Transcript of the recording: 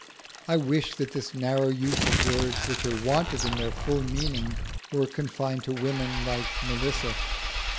I wish that this narrow use of words which are wanted in their full meaning were confined to women like Melissa.